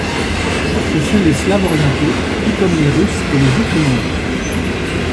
Ce sont des Slaves orientaux, tout comme les Russes et les Ukrainiens.